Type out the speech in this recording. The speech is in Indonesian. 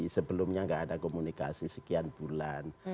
sebelumnya nggak ada komunikasi sekian bulan